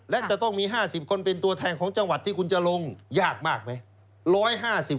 และจะต้องมี๕๐คนเป็นตัวแทนของจังหวัดที่คุณจะลงยากมากไหม